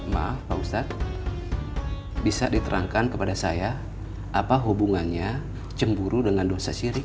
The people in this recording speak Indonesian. maaf pak ustadz bisa diterangkan kepada saya apa hubungannya cemburu dengan dosa syirik